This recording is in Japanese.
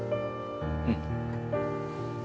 うん。